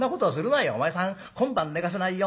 「『お前さん今晩寝かさないよ